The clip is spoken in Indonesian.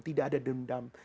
tidak ada dendam